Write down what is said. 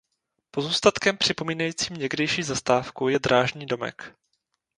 Pozůstatkem připomínajícím někdejší zastávku je drážní domek.